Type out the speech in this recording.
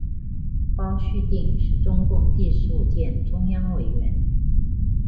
包叙定是中共第十五届中央委员。